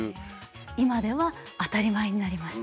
今では当たり前になりました。